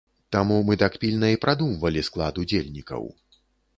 Таму мы так пільна і прадумвалі склад удзельнікаў.